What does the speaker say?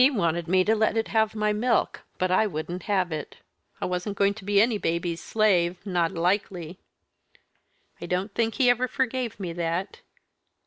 He wanted me to let it have my milk but I wouldn't have it. I wasn't going to be any baby's slave not likely! I don't think he ever forgave me that.